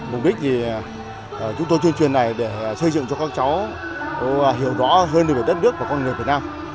mục đích thì chúng tôi tuyên truyền này để xây dựng cho các cháu hiểu rõ hơn về đất nước và con người việt nam